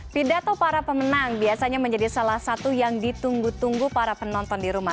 pidato para pemenang biasanya menjadi salah satu yang ditunggu tunggu para penonton di rumah